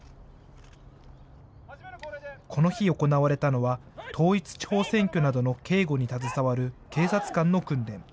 この日行われたのは、統一地方選挙などの警護に携わる警察官の訓練。